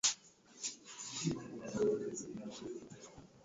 za watu weusi waliopaswa kuishi chini mfumo wa ubaguzi wa rangi